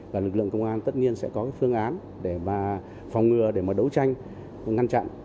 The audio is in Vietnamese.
và lực lượng công an tất nhiên sẽ có cái phương án để mà phòng ngừa để mà đấu tranh ngăn chặn